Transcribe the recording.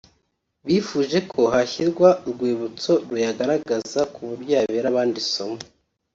bifuje ko hashyirwa urwibutso ruyagaragaza ku buryo yabera abandi isomo